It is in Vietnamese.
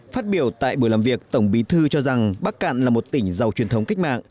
phát biểu tại buổi làm việc tổng bí thư cho rằng bắc cạn là một tỉnh giàu truyền thống cách mạng